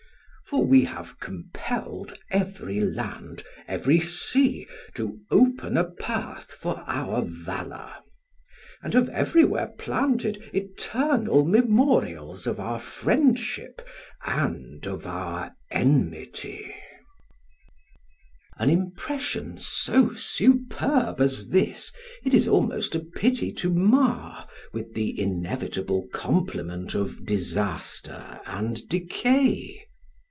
For we have compelled every land, every sea, to open a path for our valour, and have everywhere planted eternal memorials of our friendship and of our enmity." [Footnote: Thuc. ii. 37. Translated by Jowett.] An impression so superb as this it is almost a pity to mar with the inevitable complement of disaster and decay.